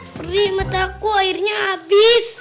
perih mataku airnya abis